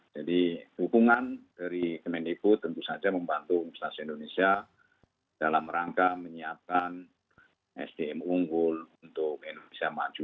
jadi hubungan dari kemenikbud tentu saja membantu universitas indonesia dalam rangka menyiapkan sdm unggul untuk indonesia maju dua ribu empat puluh lima